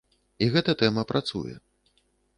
І гэта тэма працуе.